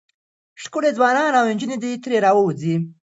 ښکلي ځوانان او نجونې ترې راوځي.